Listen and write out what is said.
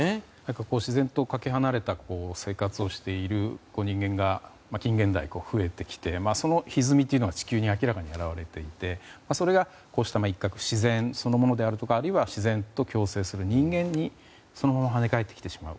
自然とかけ離れた生活をしている人間が近年台増えてきてそのひずみというのが地球に現れていてそれがこうしたイッカク自然そのものであるとかあるいは自然と共生する人間にそのまま跳ね返ってきてしまう。